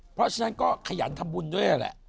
เพราะฉะนั้นก็ขยันทำบุญด้วยนั่นแหละ